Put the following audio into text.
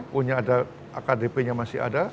punya ada akdp nya masih ada